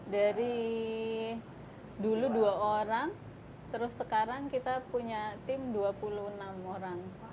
dari dulu dua orang terus sekarang kita punya tim dua puluh enam orang